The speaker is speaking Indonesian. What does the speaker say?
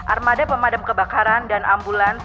armada pemadam kebakaran dan alat penyusupan